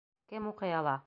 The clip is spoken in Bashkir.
Кем уҡый ала?